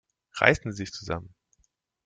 Reißen Sie sich zusammen!